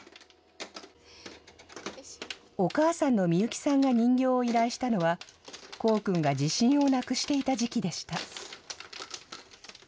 お母さんのみゆきさんが人形を依頼したのは、功君が自信をなくしていた時期でした。